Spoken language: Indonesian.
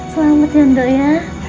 selamat ya mbok ya